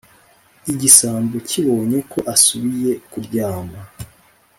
igisambo kibonye ko asubiye kuryama,